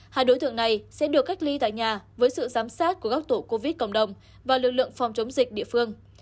hai đối tượng này sẽ được cách ly tại nhà với sự giám sát của các tổ covid cộng đồng và lực lượng phòng chống dịch địa phương